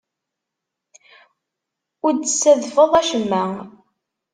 Ur d-tessadfeḍ acemma.